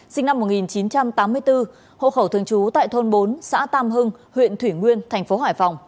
sinh năm một nghìn chín trăm tám mươi bốn hộ khẩu thường trú tại thôn bốn xã tam hưng huyện thủy nguyên thành phố hải phòng